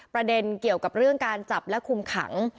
ประเด็นเกี่ยวกับเรื่องการจับและคุมขัง